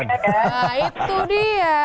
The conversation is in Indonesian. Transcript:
nah itu dia